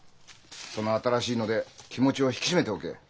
その新しいので気持ちを引き締めておけ。